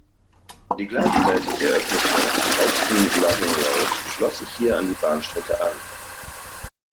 Die gleichzeitig eröffnete "Houghton Logging Railroad" schloss sich hier an die Bahnstrecke an.